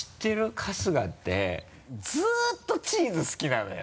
春日ってずっとチーズ好きなのよ。